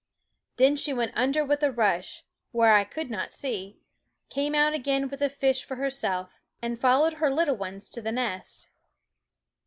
Then she went under with a rush, where I could not see, came out again with a fish for her self, and followed her little ones to the nest.